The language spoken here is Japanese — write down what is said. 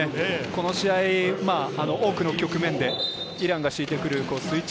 この試合、多くの局面でイランが敷いてくるスイッチ